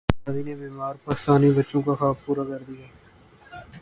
Ertugrul Ghazi نے بیمار پاکستانی بچوں کا خواب پورا کردیا